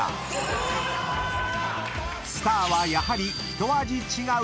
［スターはやはり一味違う］